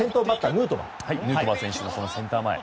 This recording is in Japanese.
ヌートバー選手のセンター前。